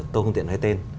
tôi không tiện nói tên